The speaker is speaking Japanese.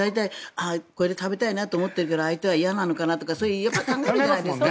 あれ、食べたいなと思っても相手は嫌なのかなとか考えるじゃないですか。